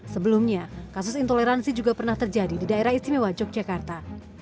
sebelumnya kasus intoleransi juga pernah terjadi di daerah istimewa yogyakarta